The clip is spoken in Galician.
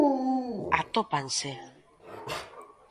Atópanse.